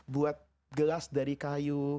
buat gelas dari kayu